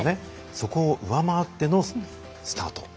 そこを上回ってのスタート。